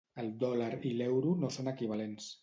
El dòlar i l'euro no són equivalents.